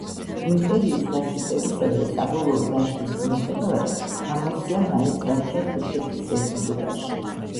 იმპერიის დასუსტებისა და საბოლოო დაშლის მიუხედავად, ამასია მაინც დარჩა თურქეთის რესპუბლიკაში.